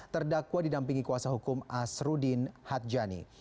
terdakwa didampingi kuasa hukum asruddin hatjani